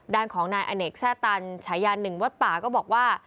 ด้านของนายอเนกแทร่ตันฉายา๑วัดป่าก็บอกว่า